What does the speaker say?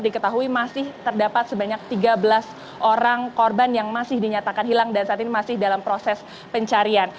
diketahui masih terdapat sebanyak tiga belas orang korban yang masih dinyatakan hilang dan saat ini masih dalam proses pencarian